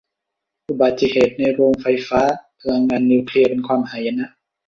อุบัติเหตุในโรงไฟฟ้าพลังงานนิวเคลียร์เป็นความหายนะ